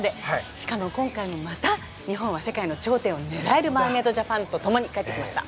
しかも今回もまた日本は世界の頂点を狙えるマーメイドジャパンと共に帰ってきました。